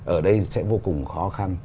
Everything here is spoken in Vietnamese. ở đây sẽ vô cùng khó khăn